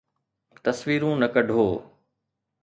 تصويرون نه ڪڍو